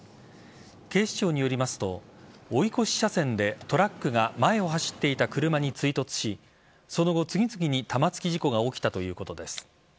警視庁によりますと追い越し車線でトラックが前を走っていた車に追突しその後、次々に玉突き事故が起きたということです。